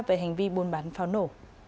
về hành vi buôn bán pháo nổ